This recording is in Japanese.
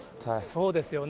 そうですよね。